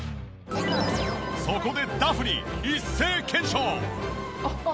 そこでダフニ一斉検証！